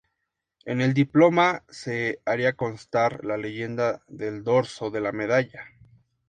En el diploma se haría constar la leyenda del dorso de la medalla.